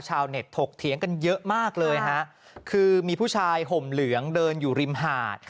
ชาวเน็ตถกเถียงกันเยอะมากเลยฮะคือมีผู้ชายห่มเหลืองเดินอยู่ริมหาด